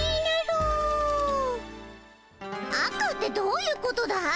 赤ってどういうことだい？